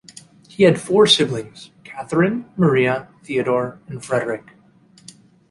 He had four siblings: Catharine, Maria, Theodore, and Frederick.